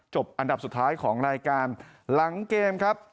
อันดับสุดท้ายของรายการหลังเกมครับ